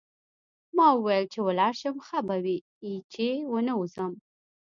ما وویل چې ولاړ شم ښه به وي چې ونه ځم.